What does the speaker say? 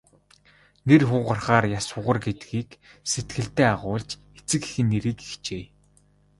Нэр хугарахаар яс хугар гэдгийг сэтгэлдээ агуулж эцэг эхийн нэрийг хичээе.